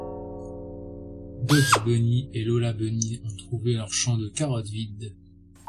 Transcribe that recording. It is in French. Bugs Bunny et Lola Bunny ont trouvé leur champ de carottes vide.